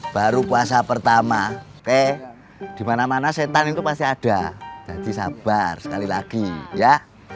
baru puasa pertama oke dimana mana setan itu pasti ada jadi sabar sekali lagi ya